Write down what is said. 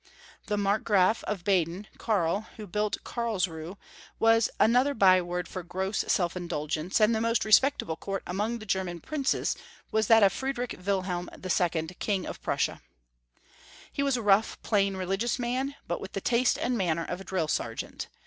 The Markgraf of Baden, Karl, who built Karl sruhe, was another byword for gross self indulgence, and the most respectable court among the German princes was that of Friedrich Wilhelm II., King of Prussia. He was a rough, plain, religious man, but with the taste and manner of a drill sergeant.